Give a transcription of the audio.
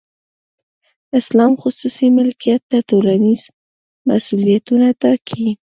اسلام خصوصي ملکیت ته ټولنیز مسولیتونه ټاکي.